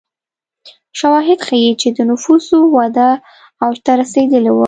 شواهد ښيي چې د نفوسو وده اوج ته رسېدلې وه.